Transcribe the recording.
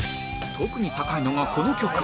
特に高いのがこの曲